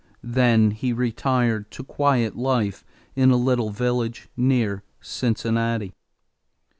Then he retired to quiet life in a little village near Cincinnati.